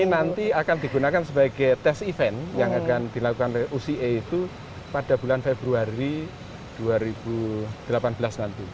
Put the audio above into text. ini nanti akan digunakan sebagai tes event yang akan dilakukan uca itu pada bulan februari dua ribu delapan belas nanti